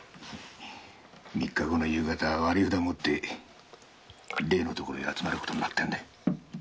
三日後の夕方割り札持って例の所へ集まることになってんだ。